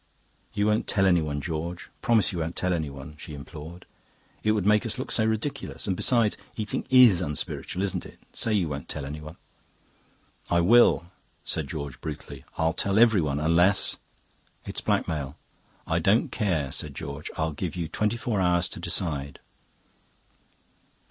"You won't tell anyone, George? Promise you won't tell anyone,' she implored. 'It would make us look so ridiculous. And besides, eating IS unspiritual, isn't it? Say you won't tell anyone.' "'I will,' said George brutally. 'I'll tell everyone, unless...' "'It's blackmail.' "'I don't care, said George. 'I'll give you twenty four hours to decide.